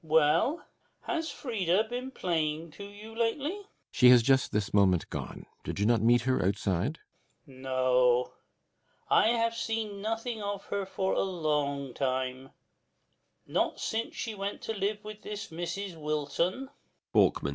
Well, has Frida been playing to you lately? BORKMAN. She has just this moment gone. Did you not meet her outside? FOLDAL. No, I have seen nothing of her for a long time; not since she went to live with this Mrs. Wilton. BORKMAN.